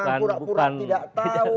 pura pura tidak tahu